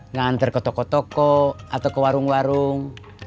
ngantar ke toko toko atau ke warung warung